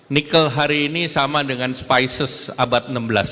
nikel hari ini sama dengan spices abad enam belas